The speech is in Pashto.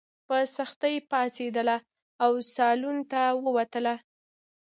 په سختۍ پاڅېدله او سالون ته ووتله.